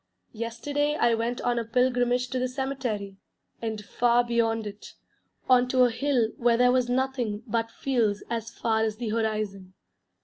Yesterday I went on a pilgrimage to the cemetery, and far beyond it, on to a hill where there was nothing but fields as far as the horizon.